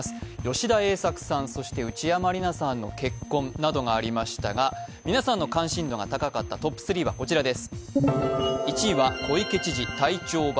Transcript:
吉田栄作さん、内山理名さんの結婚などがありましたが皆さんの関心度が高かったトップ３は、こちらです。